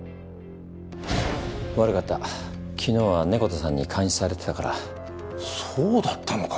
悪かった昨日は猫田さんに監視されてそうだったのか。